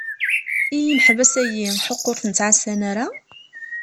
I yimaḥbas-aki ḥuq ur ten-ttɛassan ara?